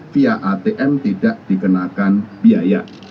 via atm tidak dikenakan biaya